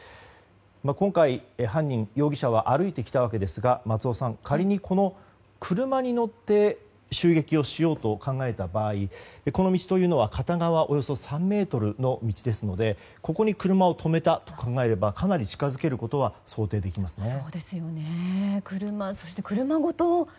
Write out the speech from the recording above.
今回、容疑者は歩いてきたわけですが松尾さん、仮に車に乗って襲撃をしようと考えた場合この道は片側およそ３ｍの道ですのでここに車を止めたと考えればかなり近づけることは想定できますね。